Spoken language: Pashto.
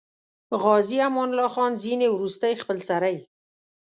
عازي امان الله خان ځینې وروستۍخپلسرۍ.